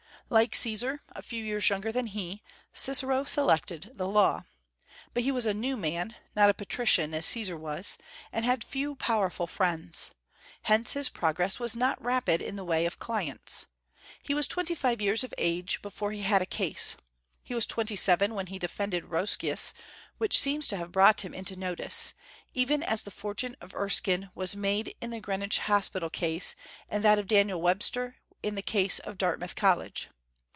Like Caesar, a few years younger than he, Cicero selected the law. But he was a new man, not a patrician, as Caesar was, and had few powerful friends. Hence his progress was not rapid in the way of clients. He was twenty five years of age before he had a case. He was twenty seven when he defended Roscius, which seems to have brought him into notice, even as the fortune of Erskine was made in the Greenwich Hospital case and that of Daniel Webster in the case of Dartmouth College.